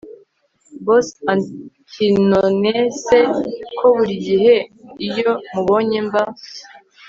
Boss atinonece ko burigihe iyo mubonye mba